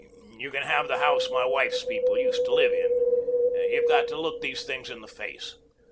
You can have the house my wife's people used to live in. You've got to look these things in the face.